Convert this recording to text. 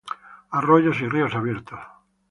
Arroyos y ríos abiertos.